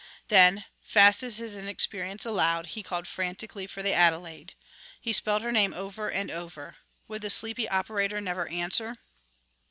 Then, fast as his inexperience allowed, he called frantically for the Adelaide. He spelled her name, over and over.... Would the sleepy operator never answer?